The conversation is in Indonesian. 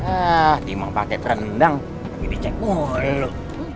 ah dimang paket rendang lagi dicek mulu